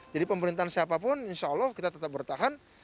jadi pemerintahan siapapun insya allah kita tetap bertahan